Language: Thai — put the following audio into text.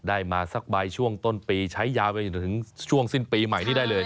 ได้มาสักใบช่วงต้นปีใช้ยาวไปจนถึงช่วงสิ้นปีใหม่นี้ได้เลย